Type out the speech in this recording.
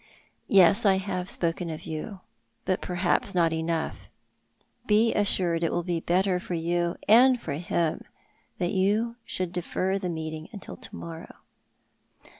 " Yes, I have spoken of you ; but perhaps not enough. Be assured it will be better for you and for him that you should defer the meeting till to morrow."